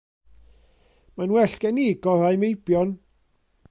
Mae'n well gen i gorau meibion.